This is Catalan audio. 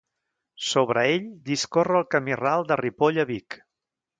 Sobre ell discorre el camí ral de Ripoll a Vic.